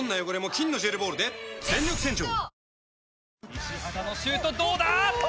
西畑のシュートどうだ？